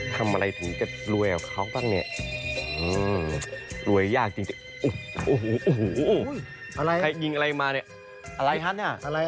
เหลือแตกคนดียังมีอยู่อีกมากมาย